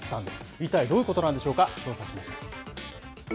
一体どういうことなんでしょうか、調査しました。